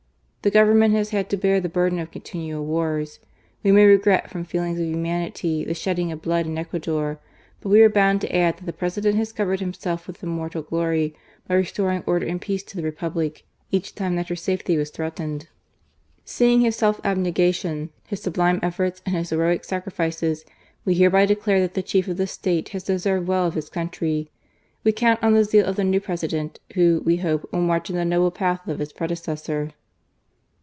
The Gbvei^Hie^ tos had to bear the burden of contintial ward : We ihay regret, from feelings of humanity, the sh^difll^ of blood in Ecuador ; but we are bound to add that the President has covered himself with immortal glory by restoring order and peace to the Repnblk: each time that her safety was threatened. SeeiJig^ his self abnegation, his sublime effbrts, aiid his heroic sacrifices, we hereby declare that the chief of the State has deserved well of his country. We count on the zeal of the new President, who, we hope, will march in the noble path of his pre decessor."